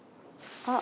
あっ！